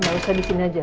nggak usah di sini aja